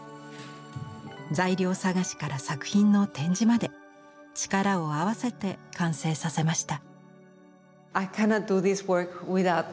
材料探しから作品の展示まで力を合わせて完成させました。